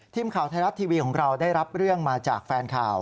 ทีมข่าวไทยรัฐทีวีของเราได้รับเรื่องมาจากแฟนข่าว